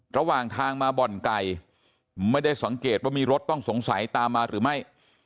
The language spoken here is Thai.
ระหว่างทางมาบ่อนไก่ไม่ได้สังเกตว่ามีรถต้องสงสัยตามมาหรือไม่